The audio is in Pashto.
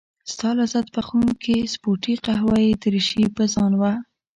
ستا لذت بخښونکې سپورتي قهوه يي دريشي په ځان وه.